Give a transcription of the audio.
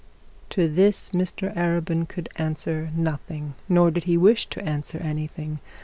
To this Mr Arabin could answer nothing, nor did he wish to answer anything.